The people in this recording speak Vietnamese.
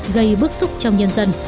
gây bức xúc trong nhân dân